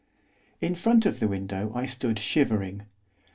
In front of the window I stood shivering.